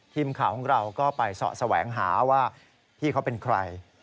ทีมข่าวของเราก็ไปเสาะแสวงหาว่าพี่เขาเป็นใคร